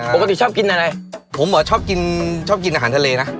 ปกติชอบกินอะไรผมเหรอชอบกินชอบกินอาหารทะเลนะ